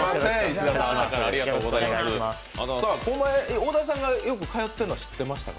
小田さんがよく通っているのは知っていましたか？